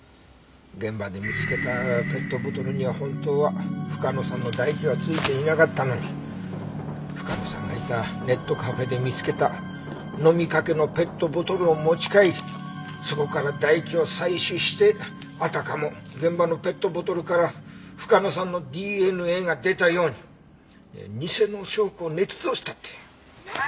現場で見つけたペットボトルには本当は深野さんの唾液は付いていなかったのに深野さんがいたネットカフェで見つけた飲みかけのペットボトルを持ち帰りそこから唾液を採取してあたかも現場のペットボトルから深野さんのＤＮＡが出たように偽の証拠を捏造したって。